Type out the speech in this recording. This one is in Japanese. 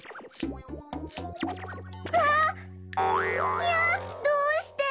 いやどうして！